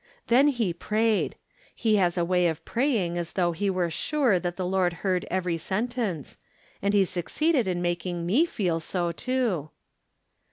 Then he prayed. He has a way of praying as though he were sure that the Lord heard every sentence, and he succeeded in making me feel so, too.